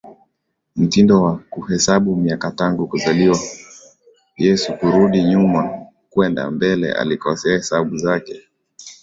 mtindo wa kuhesabu miaka tangu kuzaliwa Yesu kurudi nyuma kwenda mbele alikosea hesabu zake